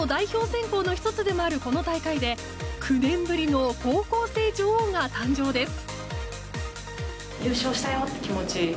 選考の１つでもあるこの大会で９年ぶりの高校生女王が誕生です。